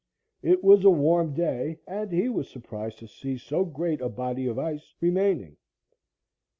It was a warm day, and he was surprised to see so great a body of ice remaining.